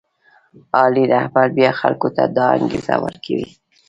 عالي رهبر بیا خلکو ته دا انګېزه ورکوي.